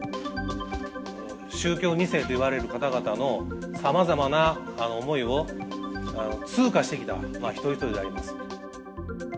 宗教２世といわれる方々の、さまざまな思いを通過してきた一人一人であります。